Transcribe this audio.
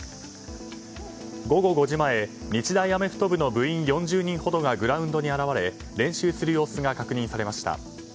午後５時前、日大アメフト部の部員４０人ほどがグラウンドに現れ練習する様子が確認されました。